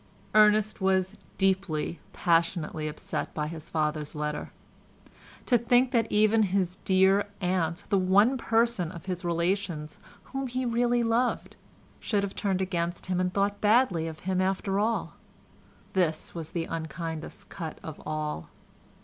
Ernest was deeply, passionately upset by his father's letter; to think that even his dear aunt, the one person of his relations whom he really loved, should have turned against him and thought badly of him after all. This was the unkindest cut of all.